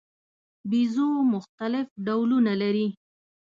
بیزو مختلف ډولونه لري.